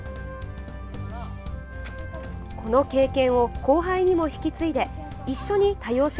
この経験を後輩にも引き継いで一緒に多様性